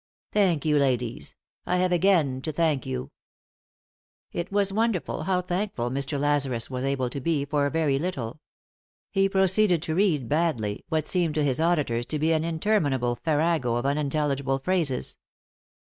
"Thank you, ladies; I have again to thank you." It was wonderful how thankful Mr. Lazarus was able to be for a very little. He proceeded to read, badly, what seemed to his auditors to be an intermin able farrago of unintelligible phrases.